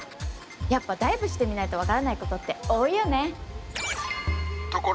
やっぱダイブしてみないと分からないことって多いよね。